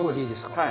はい。